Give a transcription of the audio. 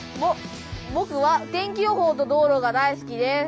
僕は天気予報と道路が大好きです。